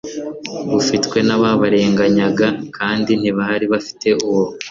bufitwe n ababarenganyaga kandi ntibari bafite uwo